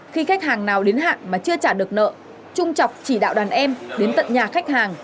khi khách hàng nào đến hạn mà chưa trả được nợ trung trọng chỉ đạo đàn em đến tận nhà khách hàng